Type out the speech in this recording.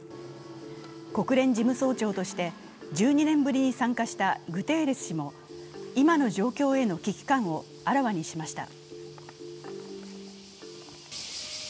国連事務総長として１２年ぶりに参加したグテーレス氏も、今の状況への危機感をあらわにしました。